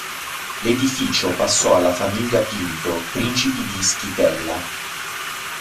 L'edificio passò alla famiglia Pinto, principi di Ischitella.